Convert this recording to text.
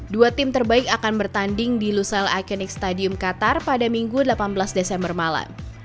dua tim terbaik akan bertanding di lusail iconic stadium qatar pada minggu delapan belas desember malam